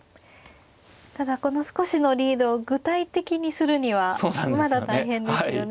ただこの少しのリードを具体的にするにはまだ大変ですよね。